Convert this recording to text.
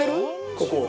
ここ。